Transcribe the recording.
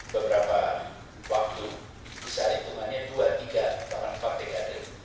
beberapa waktu bisa dihitungannya dua tiga bahkan empat dekade